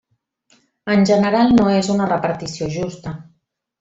En general no és una repartició justa.